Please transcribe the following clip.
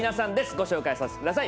ご紹介させてください。